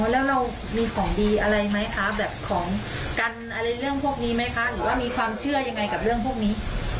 แล้วเรามีของดีอะไรไหมคะแบบของกันอะไรเรื่องพวกนี้ไหมคะหรือว่ามีความเชื่อยังไงกับเรื่องพวกนี้